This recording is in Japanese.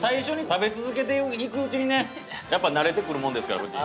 食べ続けていくうちにねやっぱり慣れてくるもんですから、夫人。